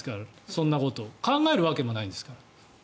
そんなことを考えるわけがないんですから。